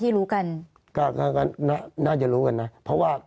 ูติเยอะรู้กันก็ก็ก็ง่ะน่าจะรู้กันนะเพราะว่าทาง